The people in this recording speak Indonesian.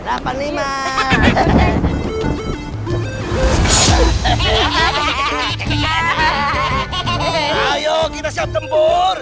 ayo kita siap tempur